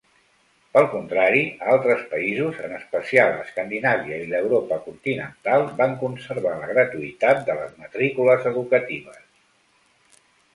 Pel contrari, altres països, en especial a Escandinàvia i l'Europa continental van conservar la gratuïtat de les matrícules educatives.